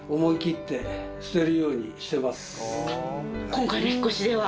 今回の引っ越しでは？